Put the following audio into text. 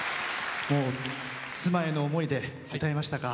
妻への思いで歌いましたか。